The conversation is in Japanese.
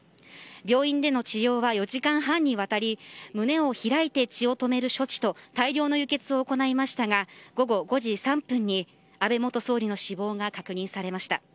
病院での治療は４時間半にわたり胸を開いて血を止める措置と大量の輸血を行いましたが午後５時３分に安倍元総理の死亡が確認されました。